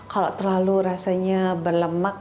kalau terlalu rasanya berlemak